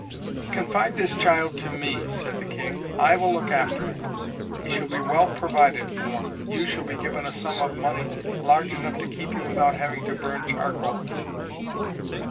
"Confide this child to me," said the King, "I will look after it. He shall be well provided for. You shall be given a sum of money large enough to keep you without having to burn charcoal."